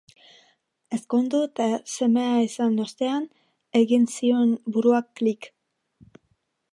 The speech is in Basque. Ezkondu eta semea izan ostean egin zion buruak klik.